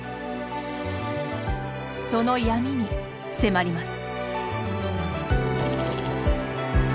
その闇に迫ります。